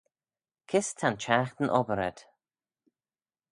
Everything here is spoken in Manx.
Kys ta'n shiaghtin obbyr ayd?